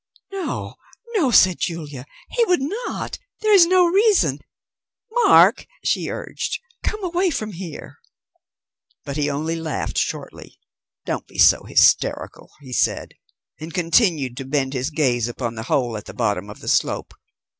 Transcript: "No, no," said Julia. "He would not. There is no reason.... Mark," she urged, "come away from here." But he only laughed shortly. "Don't be so hysterical," he said, and continued to bend his gaze upon the hole at the bottom of the slope.